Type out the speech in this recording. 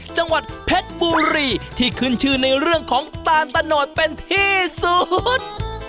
จังหวัดเพชรบุรีที่ขึ้นชื่อในเรื่องของตาลตะโนดเป็นที่สุด